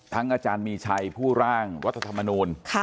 ทั้งอาจารย์มีชัยผู้ร่างวัฒนธรรมนูล